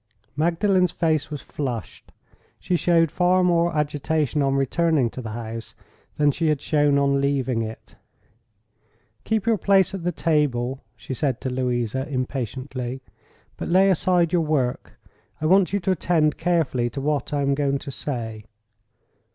Magdalen's face was flushed. She showed far more agitation on returning to the house than she had shown on leaving it. "Keep your place at the table," she said to Louisa, impatiently; "but lay aside your work. I want you to attend carefully to what I am going to say."